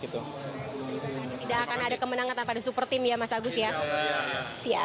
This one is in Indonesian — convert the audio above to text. tidak akan ada kemenangan tanpa ada superteam ya mas agus ya